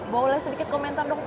boleh sedikit komentar dong pak